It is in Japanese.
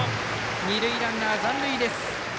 二塁ランナー、残塁です。